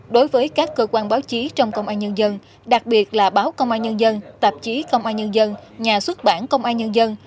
đối với các cơ quan báo chí trong công an nhân dân đặc biệt là báo công an nhân dân tạp chí công an nhân dân nhà xuất bản công an nhân dân